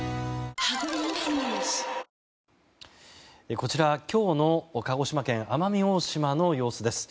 こちら、今日の鹿児島県奄美大島の様子です。